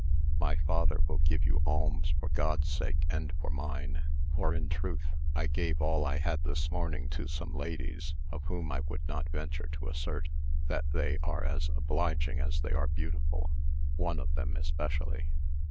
My father will give you alms for God's sake and for mine; for in truth I gave all I had this morning to some ladies, of whom I would not venture to assert that they are as obliging as they are beautiful, one of them especially."